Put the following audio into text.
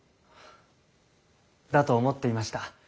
だと思っていました。